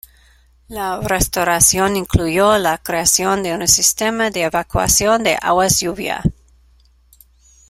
La restauración incluyó la creación de un sistema de evacuación de aguas lluvia.